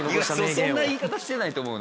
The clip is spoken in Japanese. そんな言い方してないと思うな。